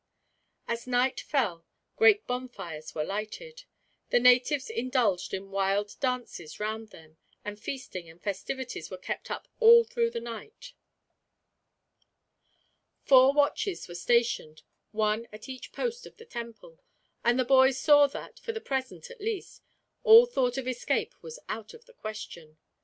As night fell, great bonfires were lighted. The natives indulged in wild dances round them, and feasting and festivities were kept up all through the night. Four watches were stationed, one at each post of the temple; and the boys saw that, for the present, at least, all thought of escape was out of the question.